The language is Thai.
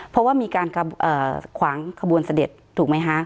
เพราะว่ามีการขวางขบวนเสด็จถูกไหมคะ